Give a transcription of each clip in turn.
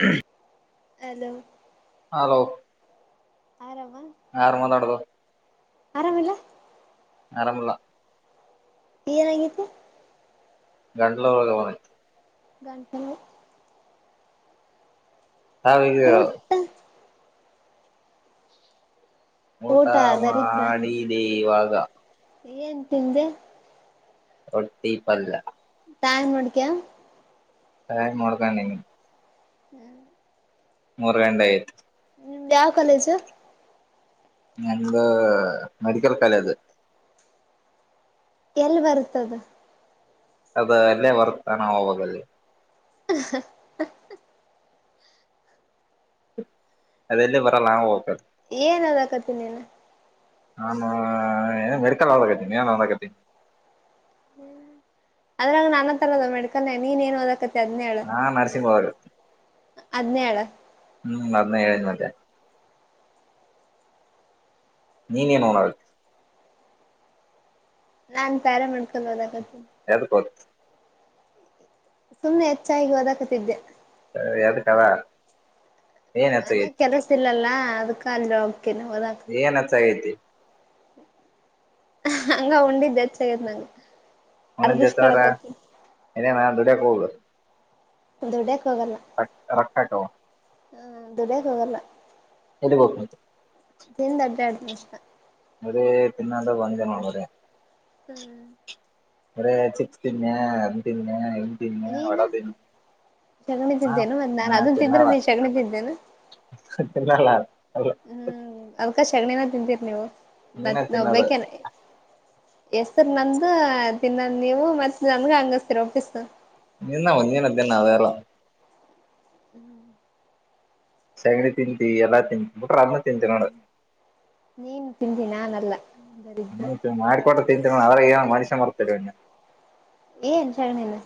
ಹ್ಮ hello hello ಆರಾಮ ಆರಮ ನಡದು ಆರಾಮಿಲ್ಲ ಅರಮಲ ಏನಾಗಿದೆ ಗಂಡಲೂರು ಗವನ ಗಂಟಿನ ಹಾವ ಊಟ ಊಟ ಮಾಡಿದೆ ಇವಾಗ ಏನ್ ತಿಿಂದೆ ಒಡ್ಟ್ಟೀಪಲ್ಲ ಟಾಯಂ್ ನೋಡಿಕ ಸಾಯ್ ಮೋಡ್ಗಾನ ಹ್ಮ್ ಮೂರು ಗಂಡ ಆಯತು ನಿ ಯಾವ ಕಾಲೇಜ ಮೆಡಿಕಲ್ ಕಾಲೇಜ್ ಎಲ್ಲಿ ಬರ್ತದೆ ಅದ ಅಲ್ಲೇ ಬರ್ತಾನಾ ಅವವಾಗಲ್ಲಿ [inaudible] ಅದೆಲ್ಲಲ್ಲಿ ಬರಲ್ಲಾವು ಹೋಗ್ತದೆ ಏನ್ ಅದಕತಿ ನೀನು ನಾನು ಮೆಡಿಕಲ್ ಆಕತಿನಿ ನ್ ಅಂದಕತ ್ಮ ಅದ್ರಾಗ ನನ್ ತರದ ಮೆಡ್ಕಾನೆ ನೀನ್ ಏನ್ ಓದಕ ಹದಿನೇಳು ನಾನ್ ನರ್ಸಿಂಗ್ ಓದಾಕತ್ತೀನಿ ಹದಿನೇಳು ಹ್ಮ್ ಅದ್ನ ಹೇಳಿದ ಮತ್ತೆ ನೀನ್ೇನುೋ ಆಾಗುತ್ತೆ ನಾನ್ ತಾರ ಮಾಡ್ಕೊಂಡ ಹೋದಾಗತ್ತ ಎದಕೋತ ಸುಮ್ಮ್ನೆ ಹೆಚ್ಚಾಗಿ ಓದಾಕತಿದ್ದೆ ಸ ಯದ ಕದ ಮನೆ ಕೆಲಸ ಇಲ್ಲಲ್ಲ ಅದ್ಕ ಅಲ್ಲಿ ಹೋಗತೇನ ಹೋದ ಏನ್ ಚಾಗೈತಿ ಹಂಗ ಉಂಡಿದ್ದ್ೆ್ಗದ ನಂಗಗೆ ಒೊಂದ ಜತ್ಾವರ ಏ ನ ದುಡಿಯಕ್ ಹೋಗುದು ದುಡ್ಡಕ್ ಹೋಗಲ್ಲ ರ ರಕ್ಕಟ್ಟ ಹ್ಮ್ ದುಡಿಯಕ್ ಹೋಗಲ್ಲ ಎಲ್ಲಿ ಬಕ ಿಂದ ಅಡ್ಡಾಡ್ದ ಅಷ್ಟ ಅ್ರ ಪನ್ನ ಅಂದ ಬಂದನರ ಹ್ಮ್ ಬರೇ ಚಿಪ್ಸ್ ತಿನ್ನೆ ಅದ್ ತಿನ್ಯೆ ಇ ತಿನ್ಯೆ ವಡ ನೀನು ಬಿನ್ ಸಗಣಿ ಹ ತಿದ್ದೇನು ಮತ್ ನಾನ್ ನಾ ಅದನ್ ತಿಂದ್ರೆ ತಿನ್ನಲ. ನೀನ್ ಸಗಣಿ ತಿದ್ದೇನು [unintelligible] ಹ್ಮ್ ಅದ್ಕ ಶಗಣಿನ ತಿಂತೀರಿ ನೀವು ನೀನ ಮತ್ ನಾವ್ ತಿನ್ನೋದ ಬೈಕೆನೆ. ಎಸ್ ಸರ್ ನಮ್ದ ತಿನ್ನ ನೀವು ಮತ್ತ ನನ್ಗೆ ಹಂಗಸ್ತೀರ ವಾಪಸ್. ನಿನ್ನ ಒಂದಿನೋದ್ದಿನ್ ನಾವ್ಯಾರೋ ಹ್ಮ್ ಸಗಣಿ ತಿಂತಿ ಎಲ್ಲ ತಿಂತಿ ಬಿಟ್ರೆ ಅದ್ನು ತಿಂತಿ ನೋಡು. ನೀನ್ ತಿಂದಿ ನಾನಲ್ಲ. ದರಿದ್ರ ನ ಮಾಡ್ಕೊಟ್ಟ ತಿಂತರ ಅವ್ರಾಗ ಏನ್ ಮನುಷ್ಯ ಮರ್ತೀರಾ ನೀವ್ ಏನ್ ಶಗಣಿನ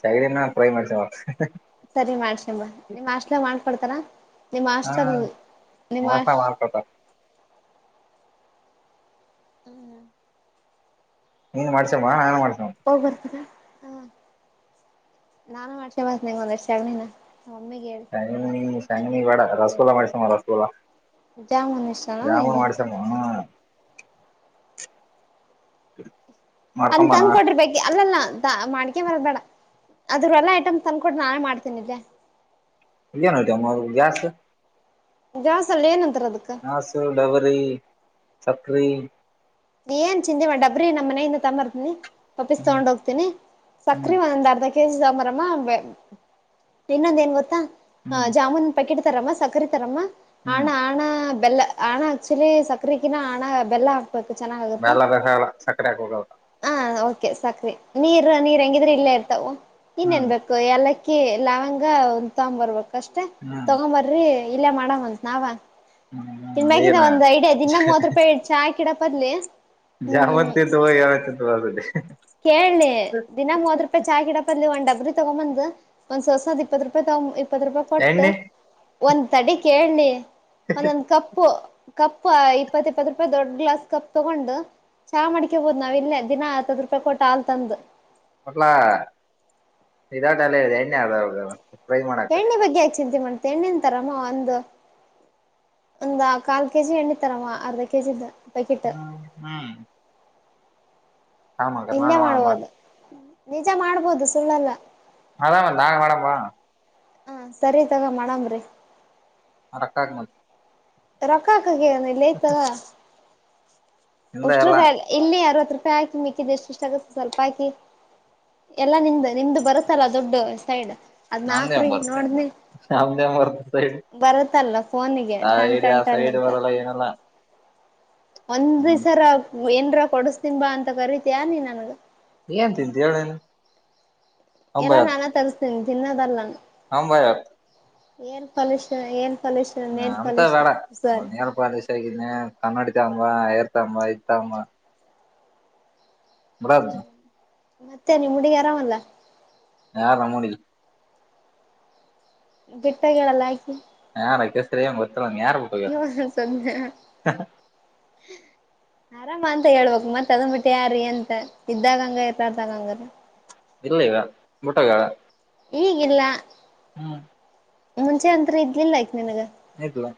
ಶಗಣಿನ ಟ್ರೈ ಮಾಡ್ತಿಯಾ ಮತ್ತ್ ಹ್ಮ್ ಹ್ಮ್ ಹ್ ಸರಿ ಮಾಡ್ಕ್ಯಾಂಬ ನಿಮ್ಮ್ ಹಾಸ್ಟಲಾಗ್ ಮಾಡ್ಕೊಡ್ತಾರ ನಿಮ್ಮ್ ಹಾ ಹಾಸ್ಟ್ಲ್ ನಿಮ್ಮ್ ಮೋಸ ಹಾಶ್ ಮಾಡ್ಕೊತಾರ ಹ್ಮ ನೀನು ಮಾಡ್ಸೇಮ ನಾನು ಮಾಡ್ಸ್ಕ ಹೋಗ್ ಬರ್ತೀರ ಹ್ಮ್ ನಾನು ಮಾಡ್ಸ್ಕಂಬಂದ್ ನಿಂಗೊಂದಷ್ಟ್ ಸಗ್ಣಿನ ಒಮ್ಮೆಗೇಳ್ ಶೆಗಣಿ ಶೆಂಗಿನಿ ಬ್ಯಾಡ ರಸಗುಲ್ಲಾ ಮಾಡಿಸ್ಕ್ಯ ಬಾ ರಸಗುಲ್ಲ. ಜಾಮೂನ್ ಇಷ್ಟನಾ ನಿಂಗೆ [unintelligible] [inaudible] ಅದ್ನ್ ತಂಕೋಡ್ರಿ ಬಗ್ಗೆ ಅಲ್ಲಲ್ಲ. ಮಾಡಿಕ್ಯ ಬರದ್ ಬೇಡ ಅದ್ರ ಎಲ್ಲ ಐಟಮ್ಸ್ ತಂದ್ ಕೊಡ್ ನಾನೇ ಮಾಡ್ತೀನಿದ್ದೆ. ಏನೈತ ಮಾಡ್ಬೋದ್ ಗ್ಯಾಸು ಗ್ಯಾಸ್ ಅಲ್ ಏನಂತಾರ ಅದಕ್ಕ ಹಾಸು ಡಬರಿ ಸಕ್ರಿ. ನೀ ಏನ್ ಚಿಂದಿ ಮ ಡಬ್ರಿ ನಮ್ಮ್ನೆಯಿಂದ ತಂಬರ್ತೀನಿ ವಾಪ್ಪೀಸ್ ಹ್ಮ ತಗೊಂಡ್ ಹೋಗ್ತೀನಿ ಹ್ಮ್ ಸಕ್ರೆ ಒಂದ್ ಅರ್ಧ ಕೆ ಜಿ ತಗೊಂಬರಮ್ಮ ಇನ್ನೊಂದ್ ಏನ್ ಗೊತ್ತಾ ಹ್ಮ್ ಜಾಮೂನ್ ಪ್ಯಾಕೆಟ್ ತರಮ್ಮ ಸಕ್ಕರೆ ತರಮ್ಮ ಹ್ಮ್ ಹಣ ಹಣ ಬೆಲ್ಲ ಹಣ ಆಕ್ಚುಲಿ ಸಕ್ಕರೆಗಿನ್ನ ಹಾಣ ಬೆಲ್ಲ ಹಾಕ್ಬೇಕು ಚೆನ್ನಾಗಾಗತ್ತ ಮ್ಯಾಲದ ಹೇಳ ಸಕ್ಕರೆ ಹಾಕ ಹೋಗದ ಹ ಓಕೆ ಸಕ್ರಿ ನೀರ್ ನೀರ್ ಹೆಂಗಿದ್ರು ಇಲ್ಲೇ ಇರ್ತಾವು ಇನ್ನೇನ್ ಹ್ಮ್ ಬೇಕ್ ಕು ಎಲಕ್ಕಿ ಲವಂಗ ಒಂದ್ ತೊಗೊಂಬರ್ಬೇಕ್ ಅಷ್ಟೇ ಹ್ಮ್ ತಗೊಂಬರ್ ಇಲ್ಲೇ ಮಾಡಮಂತ್ ನಾವ ಹ್ಮ್ ಹ್ಮ್ ತಿಂದಾಗಿದ ಏನ ಒಂದ್ ಐಡಿಯಾ ದಿನ ಮೂವತ್ತ್ ರೂಪಾಯಿ ಚಾ ಕಿಡ ಪದ್ಲಿ ಜಾಮೂನ್ ತಿಂದು [unintelligible] ಹ್ ಹ್ ಕೇಳಿಲಿ ದಿನಾ ಮೂವತ್ತ್ ರೂಪಾಯಿ ಚಾ ಗಿಡ ಒ ಡಬ್ರಿ ತಗೊಂಬಂದ್ ಒಂದ್ಸರ್ಸದ್ ಇಪ್ಪತ್ತು ರೂಪಾಯಿ ತಗೊ ಇಪ್ಪತ್ ರೂಪಾಯಿ ಕೊಟ್ಟು ಎಣ್ಣೆ ಒಂದ್ ತಡಿ ಕೇಳ್ಲಿ ಒಂದೊಂದ್ ಕಪ್ಪು ಕಪ್ ಇಪ್ಪತ್ ಇಪ್ಪತ್ ರೂಪಾಯಿ ದೊಡ್ ಗ್ಲಾಸ್ ಕಪ್ ತಗೊಂಡು ಚಾ ಮಾಡ್ಕ್ಯಬೋದ್ ನಾವಿಲ್ಲೆ ದಿನಾ ಹತ್ತತ್ತ್ ರ್ ಪ ಕೊಟ್ ಹಾಲ್ ತಂದು. [unintelligible] ಎಣ್ಣೆ [unintelligible] ಎಣ್ಣೆ ಬಗ್ಗೆ ಯಾಕೆ ಚಿಂತೆ ಮಾಡ್ತಿಯ ಎಣ್ಣೆಂತರಮ್ಮು ಒಂದು. ಒಂದ ಕಾಲ್ ಕೆ ಜಿ ಎಣ್ಣೆ ತರಮ ಅರ್ಧ ಕೆ ಜಿ ದು ಪ್ಯಾಕೆಟ್. ಹ್ ಹ್ಮ್ ಇಲ್ಲೇ ನಾನ್ ಮಾಡಮ್ಮ ಮಾಡ್ಬೋದು ನಿಜ ಮಾಡ್ಬೋದು ಸುಳ್ಳಲ್ಲ ಅಮಂದಾಂಗ ಮಡವಾ ಹ ಸರಿ ತಗ ಮಾಡಾಮ್ರರಿ ರಕ್ಕ ಆ ಮತ್ತೆ ರಕಾಕನಲ್ಲತಲ್ಲ ಹಿಂದ ಉಷ್ಟ್ರ ಎಲ್ಲಾ ಇಲ್ಲಿ ಅರವತ್ತು ರೂಪಾಯಿ ಹಾಕಿ ಮಿಕ್ಕಿದ್ದ ಎಷ್ಟು ಇಷ್ಟ ಆಗುತ್ತೆ ಸ್ವಲ್ಪ ಹಾಕಿ ಎಲ್ಲಾ ನಿಮ್ದ ನಿಮ್ದು ಬರುತ್ತಲ್ಲ ದೊಡ್ಡು ಸೈಡ್ ಅದ್ನ ಹಾಕ್ರಿ ನೋಡನ ನಾಮರ್ ಸೈಡ್ ಫೋನಿಗೆ ಆ ಟಣ್ ಟಣ್ ಆ ಟಣ್ ಸೈಡ್ ಅಂತ ಬರಲ್ಲ ಏನಲ್ಲ [inaudible] ಒಂದ್ ಹ್ಮ್ ದಸರ ಏನ್ರ ಕೊಡಸ್ತೀನ್ ಬಾ ಅಂತ ಕರಿತಯ ನೀ ನನ್ಗ ಏನ್ ತಿಂತ ಹೇಳೇನು ಎಲ್ಲಾ ನಾನಾ ತರಿಸ್ತೇನಿ ತಿನ್ನದಲ್ಲಾನ ಹಾಂ ಭಯ ಏನ್ ಪಲಷನ್ ಏನ್ ಪಲ್ಯೂಷನ್ ಏನ್ ಪಲಷನ್ ಸಾರಿ ಪಾಲೇಶ ಆಗಿದ್ದನಿ ಕನ್ನಡಿತ ಅಂಬ ರ್ತಾ ಅಂಬ ಇತ ಅಂಬ ಬಡ ಮತ್ತೆ ನಿ ಹುಡಗಿ ಆರಾಮಲ್ಲ ಹಾ ರಾಮಡಿ ಬಿಟ್ಟಗಳಲ್ಲ ಹಾಕಿ ಹಾ ರಸರಿ ಗೊತ್ತರ ಯಾರು ಬಿಟ್ಟೋಗಾರ ಹ್ಮ ಆರಾಮ ಅಂತ ಹೇಳ್ಬಬೇಕಕ್ ಮತ್ ಅದಂದ್ ಬಿಟ್ಟಿ ಯಾರೀ ಅಂತ ಇದ್ದಾಗಂಗ ಇತರ್ದಾಗಂಗ್ರ ಇಲ್ಲ ಈವ ಮುಟಗಳ ಈಗಿಲ್ಲ ಹ್ಮ್ ಮುಂಚೆ ಅಂತರ ಇದ್ಲಿಲ್ಲ ಆಯಕ ನಿನಗ ಇದುವಾ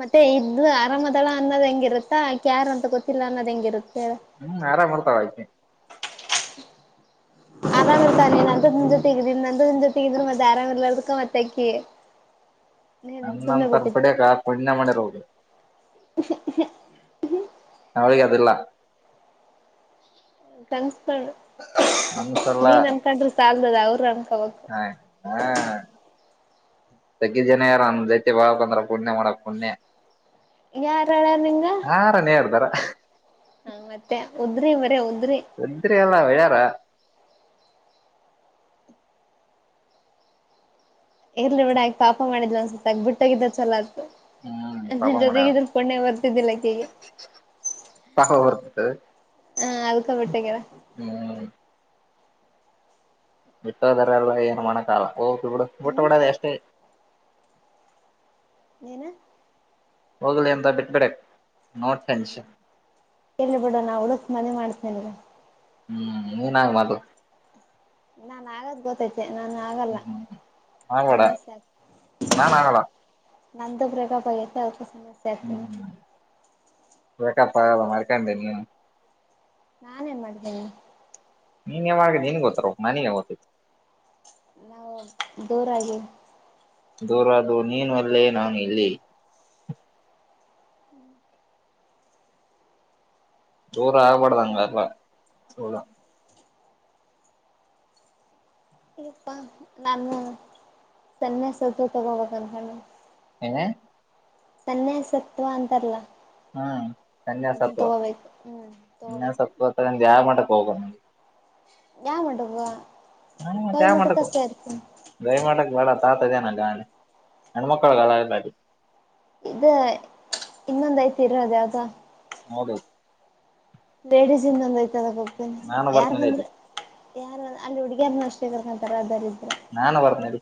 ಮತ್ತೆ ಇದದು ಆರಾಮದಳ ಅನ್ನೋ್ ಹೆಂಗಿರುತ್ತಾ ಕ್ಯಾರ್ ಅಂತ ಗೊತ್ತಿಲ್ಲ ಅನ್ನೋ ಹೆಂಗಿರುತ್ತೆ ಹ್ಮ್ ಆರಾಮ್ರ್ತಾವ ಆಕೀ ಆರಾಮ ಇರ್ತಾನೆ ನಂತು ನಿಮ್ ತಗಿದೀನಿ ನಂದು ನಿ ಜೊತೆಗಿದ್ರ ಮತ್ತೆ ಆರಾಮ್ ಇರ್ರದಕ್ಕ ಮತ್ತೆ ಅಕ್ಕಿ ಅಂತರ ಬಡಗ ಪಣ್ಯ ಮನೆ ರೋದು ಹ ಅವಳಿಗೆ ಅದಿಲ್ಲ ಕನ್ಸ್ಕೊಂಡ ಅನ್ಸಲ್ಲ ನೀನ್ ಅನ್ಕೊಂಡ್ರರು ಸಾಲ್ದದ ಅವ್ರ ಅನ್ಕ ಹಯ ಹಾ ತಗ್ಗಿ ಜನ ಯಾರ ಅ ಜೈತೆ ಬಳಕ್ ಬಂದ್ರ ಕುಣ್ಣೆ ಮಾಡಕ್ ಕುಣ್ಣೆ ಯಾರುಡು ನಿಂಗ ಆರನ ಹೇ ದಾರ ಹಾ ಮತ್ತೆ ಉದ್ರಿ ಮರ ಉದ್ರಿ ವಂದ್ರಲ್ಲ ವಿಡಾರ ಇರ್ಲಿ ಬಿಡು ಆ ಪಾಪ ಮಾಡಿದ್ ಒನ್ಸತ್ ಆಗ ಬಿಟ್ಟೋಗಿದ್ದ ಚಲ ಆತು ಹ್ಮ್ ಪಾಪ ನಿನ್ ಜೊತೆಗೆ ಮಾಡ್ಯಾಳ ಇದನ್ ಪುಣೆ ಬರ್ತಿದ್ದಿಲ್ಲಕ್ಕೇಗೆ [inaudible] ಹಾ ಅದಕ ಬಿಟ್ಟಗರ [unintelligible] ಬಿಟ್ಟೋದರಲ್ಲ ಏನುಮಾಡಕಾಗಲ ಹೋಗಿ ಬಿಡು ಬಿಟ್ಟ ಹ್ಮ್ ಬಿಡೋದ ಅಷ್ಟೇ [unintelligible] ಹೋಗ್ಲಿ ಅಂತ ಬಿಟ್ಬಿಡಿ ನೋಡ್ ಟನ್ಷನ್ ಇಲ್ಲಿ ಬಿಡ ನಾ ಹುಡುಕ್ ಮದುವೆ ಮಾಡ್ತೇನಿಂಗ ಹ್ಮ್ ಮುನಗದು ನಾನ್ ಆಗದ್ ಗೊತ್ತೈತೆೆ ನಾನ ಆಗಲ್ಲ ಹ್ಮ್ ಹ್ಮ್ ಆಗ್ಬೇಡ ನಾನ್ ಆಗಲ್ಲ [unintelligible] ನಂದ ಬ್ರೇಕಫ ಅವರದು ಸಮಶ [unintelligible] ನಾನ ಏನ್ ಮಾಡ್ತೇನೆ ನೀನ್ ಯಾವಾಗ ನ ನಿನ್ಗೆ ಗೊತ್ತರ ನನಗ ಗೊತ್ತತ್ತು ನಾವು [inaudible] ದೂರಾಗಿ ದೂರ ಅದು ನೀನು ಅಲ್ಲಿ ನಾನು ಇಲ್ಲಿ ದುರ ಆಗಬಡ್ದಂಗ ಅಲ್ಲ ದುರ ಪ್ಪಾ ನಾನು ಸನ್ನೆಸತ್ವ ತಗೋಬೇಕ ಅನ್ಕಕೊಡಿದಿನಿ [unintelligible] ಸನ್ಯಾಸತ್ವ ಅಂತಾರಲ್ಲ ಹ್ಮ್ [unintelligible] ಅದನ್ ಕನ್ಯಾಸತ್ವ ತಗೋಬೇಕು ಹ್ಮ್ ತಗೋಬೇಕು ಅ ಜಾಮ ಮಾಡೆೋಗೋ [unintelligible] ಕೊಯಮುಟ್ಟ ಕಷ್ಟತ ಗಯಮಠಕ್ ತಾತಿದನಲ ಅದ ಇ ಇನ್ನೊಂದ್ ಐತಿ ಇರದ ಯಾವ್ದ ಹೌದೌದು ಲೇಡೀಸ್ ಇಂದ ಒಂದ ಐ್ತದ ಹೋಗ್ತೇನ ನಾನು ಯಾರ್ ಬರ್ತೀನಿ ಬಂದ್ರ ಇಲ್ಲಿ ಯಾರು ಅಲ್ಲಿ ಹುಡುಗಿಯಾರ್ನ ಅಷ್ಟೇ ಕರ್ಕೊಂತಾರೆ ಅದಾರ ಇದ್ರ ನಾನನ್ ಬರ್ನಡಿ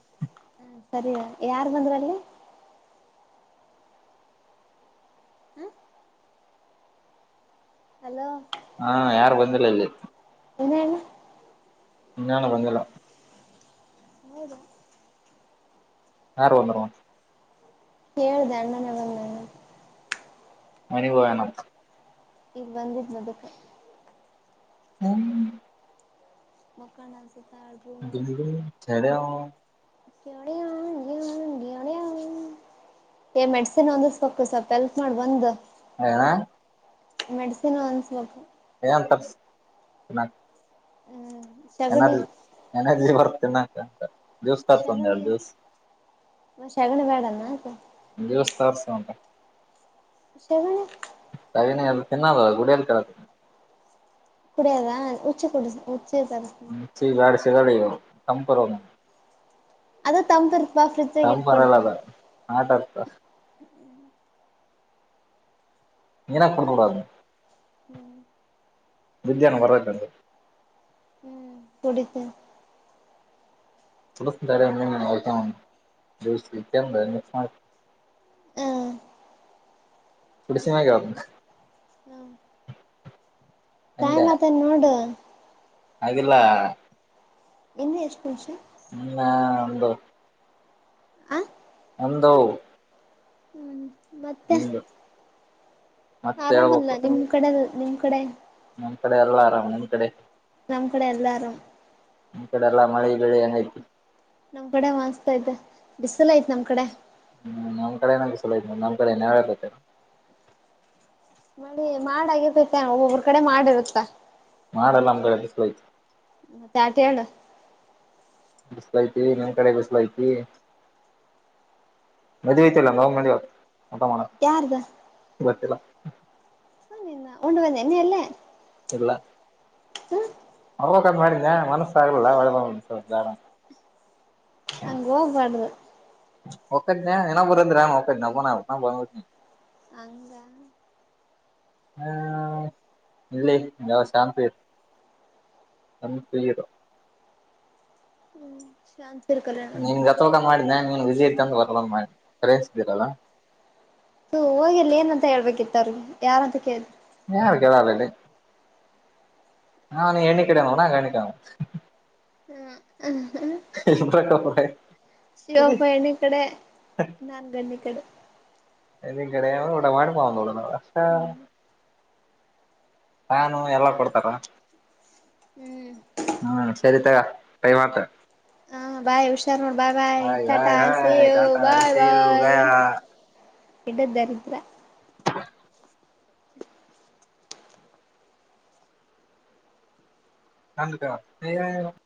ಹ್ಮ ಸರಿ ಯಾರ್ ಬಂದ್ರ ಅಲ್ಲಿ ಹ ಹಲೋ ಹಾ ಯಾರು ಬಂದಿಲ್ಲ ಇಲ್ಲಿ ಇನ್ನೇನು ಇನ್ನೇನು ಬಂದಿಲ್ಲ ಹೌದಾ ಯಾರು ಬಂದ ಹೇಳಿದೆ ಅಣ್ಣನ ಬಂಧನ ಮನ ಹೋಗ್ಯಾನ ಈಗ ಬಂದಿದ್ ಅದಕ್ಕೆ ಹ್ ಮಕ್ಕಳಸತ ಸಡೆ ಅವನು ಳೆ ಆ ಹ ಹಂಡಳೆ ಆ ಏ ಮೆಡಸಿನ್ ಒಂದಿಸಬೇಕಕ್ ಸ್ವಲ್ಪ ಎಲ್ಪ್ ಮಾಡ್ ಬಂದ ಹೇಣ ಮೆಡಿಸಿನ್ ಅನ್ಸಬೇಕಬೇಕು [unintelligible] ಹ್ಮ್ ಶಗಣಿ ನನಾದ್ಲಿ ಎನರ್ಜಿ ಬರ್ತೇ ನಕ ಅಂತ ಶಗಣಿ ಮ್ ಶಗಣಿ ಬ್ಯಾಡನ ಮತ್ತ. ದೇವಸ್ಥಾರ್ ಸೌಂಟ ಶಗಣಿ ಅದುನ್ನ ತಿನ್ನಲ್ವಲ್ಲ ಗುಡ್ [unintelligible] [unintelligible] [unintelligible] ಅದೇ ತಮ್ದಿರ್ ತಮ್ ಪರಲದ ಮಾತಾಡ್ಸ್ದ. ಹ್ ಉ ನೀರಾಕ್ ಬುಡ್ [unintelligible] ಹ್ಮ್ ಬಿದ್ಯನ್ ಹಂಗಾರೆ ಬಲ್ಲಿ ಕುಡಿತೀನ್ ಕುಡಿಸ್ತೀನ್ ತಡಿ ಒಂದಿನನ ಆಯ್ತಾ ಜ್ಯೂಸಿಗ್ ತಂದು ಮಿಕ್ಸ್ ಮಾಡ್ ಹ್ಮ್ ಕುಡಿಸಿಮ್ಯಾಗ್ ಹೇಳ್ತಿನಿ. ತಾಯಿ ಮಾತನ್ ನೂಡೆ ಆಗಿಲ್ಲಾ ಇನ್ನು ಎಷ್ಟ್ [unintelligible] ಇನ್ನ ಒಂದು ಆ ಒಂದು ಹ್ಮ್ ಮತ್ತೆ ಒಂದು ಮತ್ತೆ ಆರಾಮಲ್ಲ ಹೇಳ್ಬೇಕು ನಿಮ್ ಕಡೆದ್ ನಿಮ್ ಕಡೆ ನಮ್ ಕಡೆ ಎಲ್ಲ ಆರಾಮ್ ನಿಮ್ ಕಡೆ ನಮ್ಮ್ ಕಡೆ ಎಲ್ಲಾ ಅರಾಮ್. ನಿಮ್ ಕಡೆ ಎಲ್ಲ ಮಳೆ ಬೆಳೆ ಹೆಂಗೈತಿ. ನಮ್ ಕಡೆ ಮಸ್ತ್ ಐತೆ ಬಿಸಲೈತ್ ನಮ್ ಕಡೆ. ಹ್ಮ್ ನಮ್ಮ್ ಕಡೆನ ಬಿಸಿಲೈತೆ ನಮ್ಮ್ ಕಡೆ ಏನ್ ನೆರಳಾಯ್ತೈತೇನ್. ನೋಡಿ ಮಾಡ ಆಗಿರ್ತೈತ ಒಬ್ಬೊಬ್ರ ಕಡೆ ಮಾಡಿರುತ್ತಾ ಮಾಡಲ ನಂ ಕಡೆ ಬಿಸ್ಲೈತ್. ಮತ್ತೆ ಆಟೇಳು ಬಿಸಲೈತಿ ನಿಮ್ ಕಡೆ ಬಿಸ್ಲೈತಿ. ಮೆದು ಐತಲ್ಲ [unintelligible] ಊಟ ಮಾಡು ಯಾರ್ದ ಗೊತ್ತಿಲ್ಲ ಥು ನಿನ್ನ ಉಂದ್ರ ನಿನ್ನೆ ಅಲ್ಲೇ ಇಲ್ಲ ಹ್ಮ ಅವ್ಲ ಕಮ್ಮ ಮಾಡಿದ್ನ ಮನಸ್ಸು ಆಗಲಿಲ್ಲ ಒಳದ [unintelligible] ಬ್ಯಾಡ ಹಂಗ್ ಹೋಗ್ಬಾದ್ರೂ ಹೋಗ್ತಿದ್ನ ಇನ್ನೊಬ್ಬ್ ಇರಂದ್ರ ನಾನು ಹೋಗ್ತಿದ್ನ ಒಬ್ಬನೇ [unintelligible] ಹಂಗ ಹ್ಮ್ ಇಲ್ಲಿ ಯಾವ ಸಾನ್ಪೀ ಸನ್ ಪ್ಲೀರ್ ಶಾನ್ ನೀನ್ಗ್ ಗೊತ್ತಿಲ್ದಾಗ್ ಮಾಡಿದ್ನ ನೀನ್ ವಿಸಿ ಇರ್ತೀಯ ಅಂದ್ [unintelligible] ಸ ಹೋಗಿಲ್ಲಿ ಏನಂತ ಹೇಳ್ಬೇಕಿತ್ ಅವ್ರಿಗೆ ಯಾರಂತ ಕೇಳ್ ಯಾರ್ ಕೇಳಲ್ ಇಲ್ಲಿ. ಹಾ ನೀ ಎಣಿಕೆಣಣ್ಣಿಕ ಹ್ಮ್ ಹ್ಮ್ ಹ್ಮ ಹಾ ಎರ ಕಪ ಶಿವ ಭಯಣ ಇ ಕಡೆ ನಾನಗಣ ಕಡೆ ಇಲ್ಲಿ ಕಡೆೆಯಂದು ಊಟಮಾಡಿ ಪಾವಳ ಪಕ್ಷಾ ಹ್ಮ್ ನಾನು ಎಲ್ಲಾ ಕೊಡ್ತಾರ ಹ್ಮ್ ಹ್ಮ್ ಸರಿತ ಟೈಮ್ ಆಯ್ತು ಹ ಬಾಯ್ ಹುಷಾರೋ bye bye Tata hi hi ಸೇವ ಟಾಟಾ ಬಾಯ್ ಸೇವ್ ಬಾಯ್ ಗಯಾ ಹಿಡದ್ದರಿದ್ರ ಹ ನದ [unintelligible]